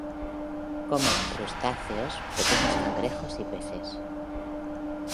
Come crustáceos, pequeños cangrejos y peces.